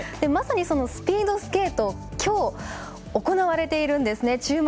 まさにスピードスケートが今日、行われているんですね。